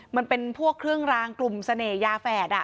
มันเป็นพวกเครื่องรางกลุ่มเสน่หยาแฝด